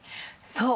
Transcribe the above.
そう！